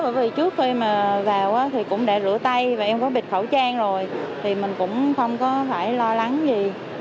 bởi vì trước khi mà vào thì cũng để rửa tay và em có bịt khẩu trang rồi thì mình cũng không có phải lo lắng gì